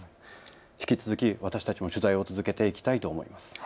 引き続き私たちも取材を続けていきたいと思います。